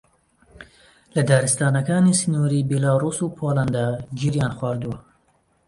لە دارستانەکانی سنووری بیلاڕووس و پۆڵەندا گیریان خواردووە